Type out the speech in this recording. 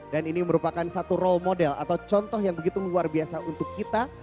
dan ini merupakan satu role model atau contoh yang begitu luar biasa untuk kita